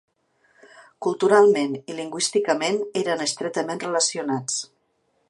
Culturalment i lingüísticament eren estretament relacionats.